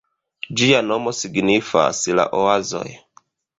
Ĝia nomo signifas "la oazoj".